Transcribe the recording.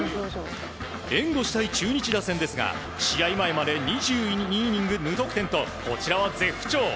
援護したい中日打線ですが試合前まで２１イニング無得点とこちらは絶不調。